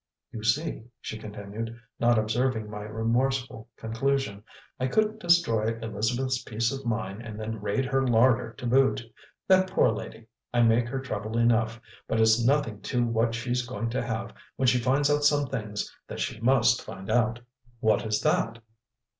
"You see," she continued, not observing my remorseful confusion, "I couldn't destroy Elizabeth's peace of mind and then raid her larder to boot. That poor lady! I make her trouble enough, but it's nothing to what she's going to have when she finds out some things that she must find out." "What is that?"